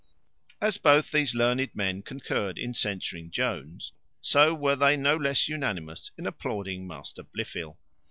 As both these learned men concurred in censuring Jones, so were they no less unanimous in applauding Master Blifil.